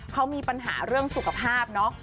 เขามีปัญหาเรื่องสุขภาพเนาะ